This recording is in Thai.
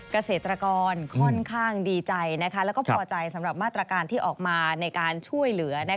เกษตรกรค่อนข้างดีใจแล้วก็พอใจสำหรับมาตรการที่ออกมาในการช่วยเหลือ